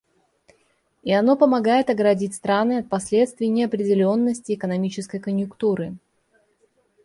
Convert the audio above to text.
И оно помогает оградить страны от последствий неопределенности экономической конъюнктуры.